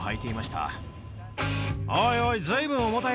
おいおい。